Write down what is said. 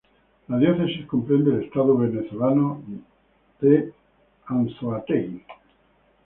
La diócesis comprende el estado venezolano de Estado Anzoátegui.